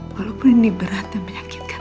walaupun ini berat dan menyakitkan